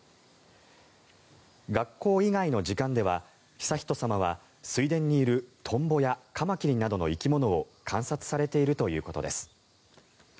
学校以外の時間では悠仁さまは水田にいるトンボやカマキリなどの生き物を観察されているということです。